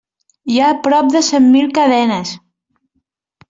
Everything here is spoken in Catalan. Hi ha prop de cent mil cadenes.